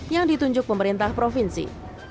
yang ditunjuk pemerintah provinsi